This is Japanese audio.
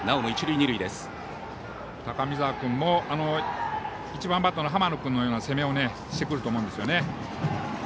高見澤君も１番バッターの浜野君のような攻めをしてくると思うんですよね。